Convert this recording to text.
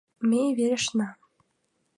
Ме верештна